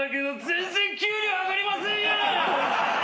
全然給料上がりませんやん！